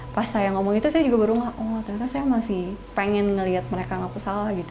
pas saya ngomong itu saya juga baru oh ternyata saya masih pengen ngeliat mereka ngaku salah gitu